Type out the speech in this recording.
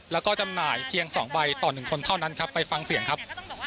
เราก็จำหน่ายเพียงสองใบต่อหนึ่งคนเท่านั้นครับไปฟังเสียงครับ